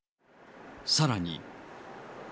さらに。